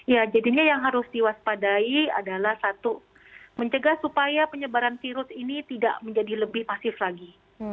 ya jadinya yang harus diwaspadai adalah satu mencegah supaya penyebaran virus ini tidak menjadi lebih masif lagi